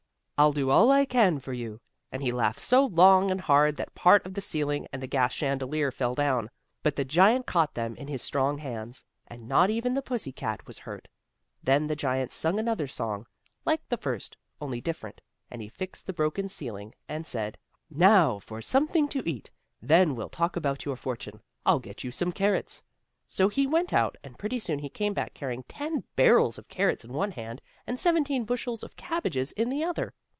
"I'll do all I can for you," and he laughed so long and hard that part of the ceiling and the gas chandelier fell down, but the giant caught them in his strong hands, and not even the pussy cat was hurt. Then the giant sung another song, like the first, only different, and he fixed the broken ceiling, and said: "Now for something to eat! Then we'll talk about your fortune. I'll get you some carrots." So he went out, and pretty soon he came back, carrying ten barrels of carrots in one hand and seventeen bushels of cabbage in the other.